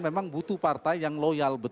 memang butuh partai yang loyal